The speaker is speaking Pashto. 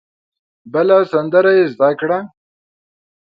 بله سندره یې زده کړه.